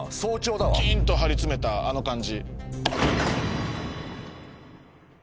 キンと張り詰めたあの感じ。